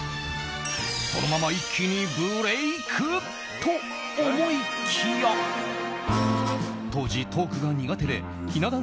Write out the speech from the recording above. そのまま一気にブレークと思いきや当時、トークが苦手でひな壇